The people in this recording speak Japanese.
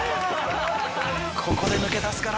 ここで抜け出すか？